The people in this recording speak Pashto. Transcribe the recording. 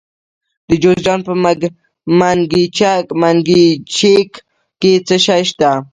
د جوزجان په منګجیک کې څه شی شته؟